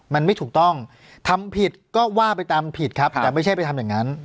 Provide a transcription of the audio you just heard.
มันไม่ถูกต้องทำผิดก็ว่าไปตามผิดครับแต่ไม่ใช่ไปทำอย่างนั้น